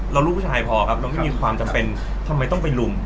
แล้วลูกผู้ชายพอครับเราไม่มีความจำเป็นทำไมต้องไปลุม